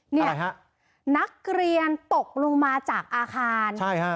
นี่นักเรียนตกลงมาจากอาคาร